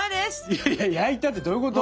いやいや焼いたってどういうこと？